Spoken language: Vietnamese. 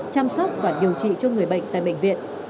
chăm sóc và điều trị cho người bệnh tại bệnh viện